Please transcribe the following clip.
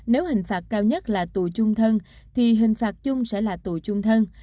nếu hình phạt cao nhất là tù chung thân thì hình phạt chung sẽ là tù chung thân